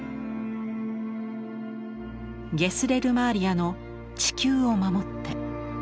ゲスレル・マーリアの「地球を守って」。